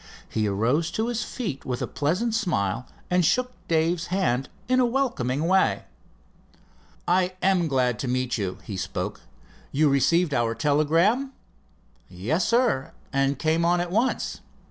He arose to his feet with a pleasant smile and shook Dave's hand in a welcoming way. "I am glad to meet you," he spoke. "You received our telegram?" "Yes, sir, and came on at once."